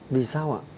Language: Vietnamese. vì sao ạ